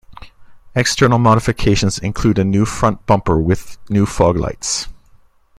External modifications include a new front bumper with new foglights.